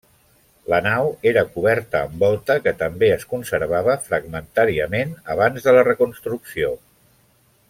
La nau era coberta amb volta, que també es conservava fragmentàriament abans de la reconstrucció.